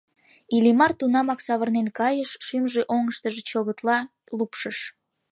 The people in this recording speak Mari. Иллимар тунамак савырнен кайыш, шӱмжӧ оҥыштыжо чӧгытла лупшыш.